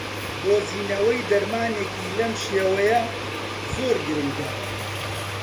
دۆزینەوەی دەرمانێکی لەم شێوەیە زۆر گرنگە